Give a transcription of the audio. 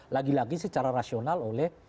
lagi lagi secara rasional oleh